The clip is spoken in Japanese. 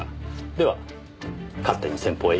では勝手に先方へ行かせて頂きます。